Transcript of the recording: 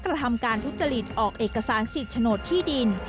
กระทำการทุจริตออกเอกสารสิทธิ์โฉนดที่ดิน